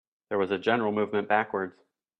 There was a general movement backwards.